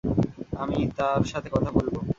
আমি তার সাথে কথা বলব।